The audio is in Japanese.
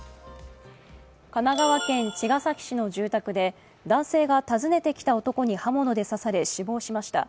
神奈川県茅ヶ崎市の住宅で、男性が訪ねてきた男に刃物で刺され死亡しました。